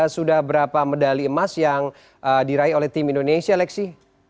sudah berapa medali emas yang diraih oleh tim indonesia lexi